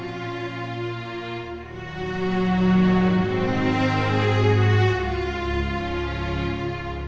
sampai jumpa bu